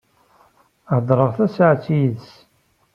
Hedreɣ tasaɛet yid-s.